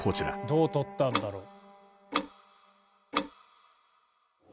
どうとったんだろう？